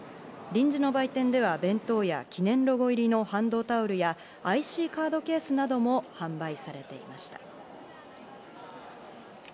臨時の売店では弁当や記念ロゴ入りのハンドタオルやＩＣカードケースなども販売されていました。